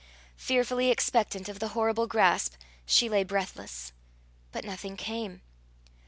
Fearfully expectant of the horrible grasp, she lay breathless. But nothing came.